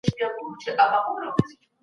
د الهي روح پوکول د ژوند پیل و.